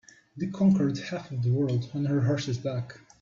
The conquered half of the world on her horse's back.